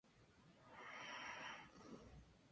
La taxonomía de la especie ha permanecido bastante clara.